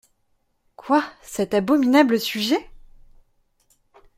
Quoi, cet abominable sujet ?…